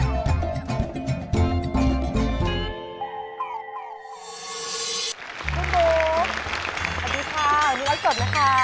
สวัสดีค่ะวันนี้ไลฟ์สดนะคะ